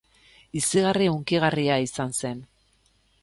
Izigarri hunkigarria izan zen.